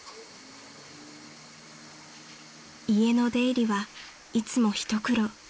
［家の出入りはいつも一苦労］